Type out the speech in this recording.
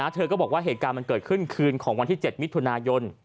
เธอก็บอกว่าเหตุการณ์มันเกิดขึ้นคืนของวันที่๗มิถุนายน